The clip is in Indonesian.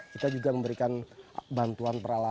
kita juga memberikan bantuan peralatan